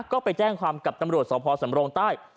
ก็ไปแจ้งความกับตำรวจสพสำรงใต้